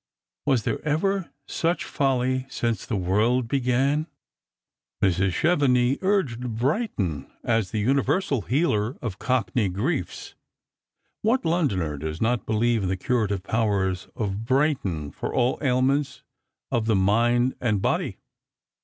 Was there ever such folly since the world began ?" Mrs. Chevenix uri>ed Brighton as the universal healer of cock ney griefs. What Londoner does not believe in the curative powers of Brighton for all ailments of the mind and body?